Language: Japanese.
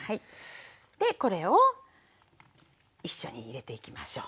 でこれを一緒に入れていきましょう。